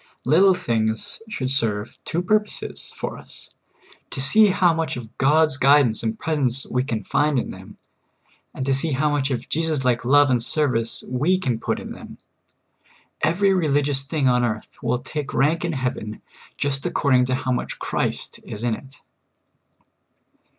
Little things should serve two purposes for us — to see how much of God's guidance and presence we can find in them, and to see how much of JCvSUs like love and ser\' ice we can put in them. Every religious thing on earth will take rank in heaven just according to how much Christ is in it.